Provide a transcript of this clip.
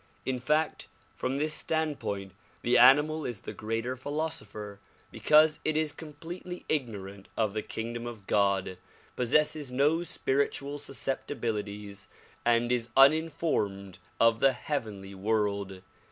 In fact from this standpoint the animal is the greater philosopher because it is completely ignorant of the kingdom of God, possesses no spiritual susceptibilities and 174 THE PRO:\IULGATION OF UNIVERSAL PEACE is uninformed of the heavenly world.